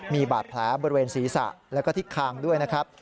มีบาดแผลบริเวณศีรษะแล้วก็ที่คางด้วยนะครับ